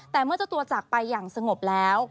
แต่เมื่อเจ้าตัวจากไปอย่างสงบแล้ว